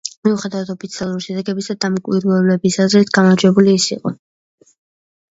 მიუხედავად ოფიციალური შედეგებისა, დამკვირვებლების აზრით გამარჯვებული ის იყო.